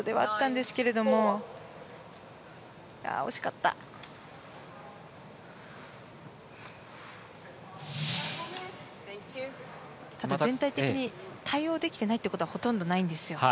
ただ、全体的に対応できてないということはほとんどないんですよ。